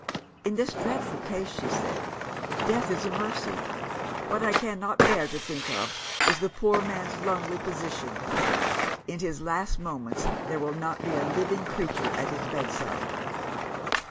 'In this dreadful case,' she said, 'death is a mercy. What I cannot bear to think of is the poor man's lonely position. In his last moments, there will not be a living creature at his bedside.